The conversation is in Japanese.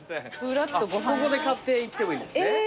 ここで買っていってもいいんですね。